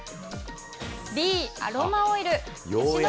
Ｂ、アロマオイル。